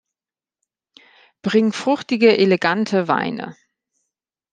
Bring fruchtige, elegante Weine.